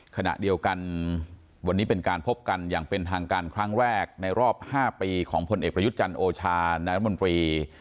ขณะเดียวกันวันนี้เป็นการพบกันอย่างเป็นทางการครั้งแรกในรอบ๕ปีของพลเอกประยุทธ์จันทร์โอชานายรัฐมนตรี